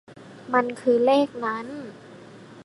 มันคือเลขนั้น